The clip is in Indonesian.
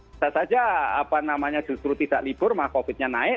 bisa saja apa namanya justru tidak libur maka covid nya naik